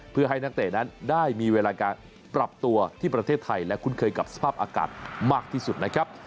เพื่อให้นักเตะนั้นได้มีเวลาการปรับตัวที่ประเทศไทยและคุ้นเคยกับสภาพอากาศมากที่สุดนะครับ